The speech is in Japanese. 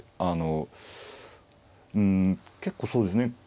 あのうん結構そうですね。